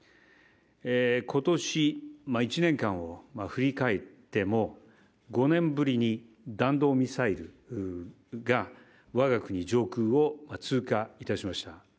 今年１年間を振り返っても５年ぶりに弾道ミサイルが我が国上空を通過いたしました。